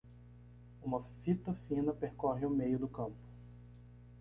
Uma fita fina percorre o meio do campo.